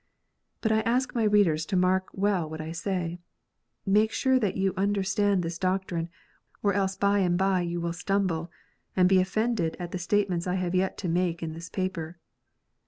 But I ask my readers to mark well what I say. Make sure that you under stand this doctrine, or else by and by you will stumble, and be offended at the statements I have yet to make in this paper.